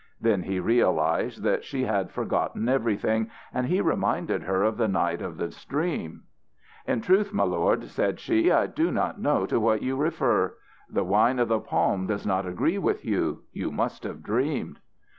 Then he realised that she had forgotten everything, and he reminded her of the night of the stream. "In truth, my lord," said she, "I do not know to what you refer. The wine of the palm does not agree with you. You must have dreamed."